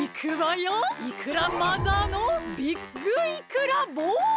イクラマザーのビッグイクラボール！